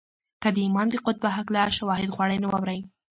که د ایمان د قوت په هکله شواهد غواړئ نو واورئ